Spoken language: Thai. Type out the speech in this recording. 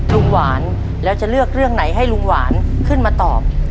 ลุงหวานแล้วจะเลือกเรื่องไหนให้ลุงหวานขึ้นมาตอบ